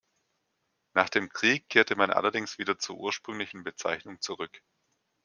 Nach dem Krieg kehrte man allerdings wieder zur ursprünglichen Bezeichnung zurück.